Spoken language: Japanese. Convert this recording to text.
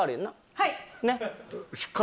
はい。